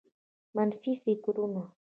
منفي فکرونه